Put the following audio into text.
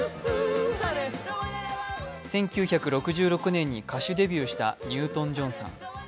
１９６６年に歌手デビューしたニュートン＝ジョンさん。